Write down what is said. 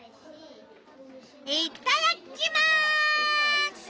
いっただっきます！